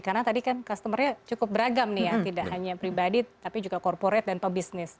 karena tadi kan customer nya cukup beragam nih ya tidak hanya pribadi tapi juga korporat dan pebisnis